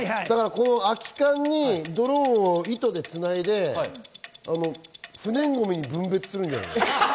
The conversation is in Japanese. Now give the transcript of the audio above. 空き缶にドローンを糸でつないで不燃ゴミに分別するんじゃない？